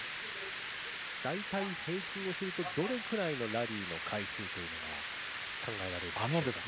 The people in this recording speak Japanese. だいたい平均すると、どれくらいのラリーの回数というのが考えられるんですか？